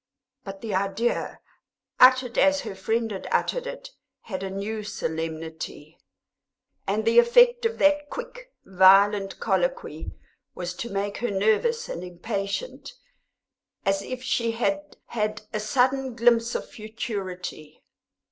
But the idea, uttered as her friend had uttered it, had a new solemnity, and the effect of that quick, violent colloquy was to make her nervous and impatient, as if she had had a sudden glimpse of futurity.